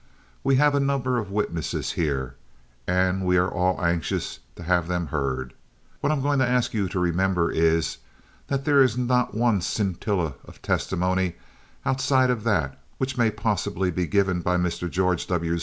We have a number of witnesses here, and we are all anxious to have them heard. What I am going to ask you to remember is that there is not one scintilla of testimony outside of that which may possibly be given by Mr. George W.